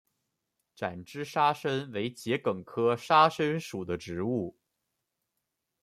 展枝沙参为桔梗科沙参属的植物。